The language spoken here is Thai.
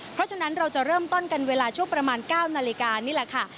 เพราะฉะนั้นเราจะเริ่มต้นกันเวลาช่วงประมาณ๙นาฬิกานี่แหละค่ะ